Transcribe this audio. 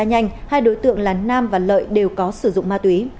nhanh hai đối tượng là nam và lợi đều có sử dụng ma túy